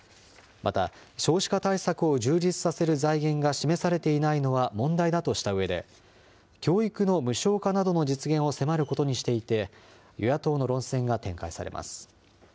また、少子化対策を充実させる財源が示されていないのは問題だとしたうえで、教育の無償化などの実現を迫ることにしていて、与野党の論